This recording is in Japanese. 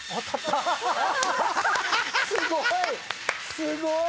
すごい！